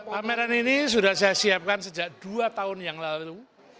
pameran ini sudah saya siapkan sejak dua tahun yang lalu